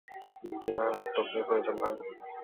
ইন্ডিয়ার তোকে প্রয়োজন, ভাই।